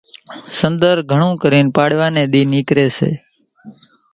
سنۮر گھڻون ڪرين پاڙِويا ني ۮي نيڪري سي